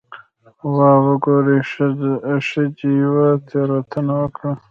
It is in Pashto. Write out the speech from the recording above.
'واه وګورئ، ښځې یوه تېروتنه وکړه'.